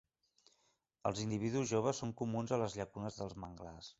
Els individus joves són comuns a les llacunes dels manglars.